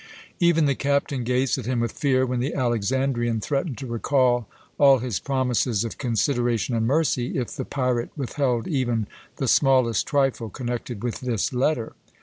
Even the captain gazed at him with fear, when the Alexandrian threatened to recall all his promises of consideration and mercy if the pirate withheld even the smallest trifle connected with this letter.